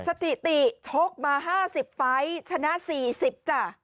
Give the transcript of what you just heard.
สถิติชกมา๕๐ไฟล์ชนะ๔๐จ้ะ